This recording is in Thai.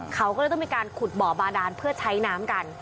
เขาก็เลยต้องมีการขุดบ่อบาดานเพื่อใช้น้ำกัน